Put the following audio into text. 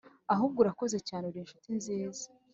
ahubwo urakoze cyaneeee uri inshuti nziza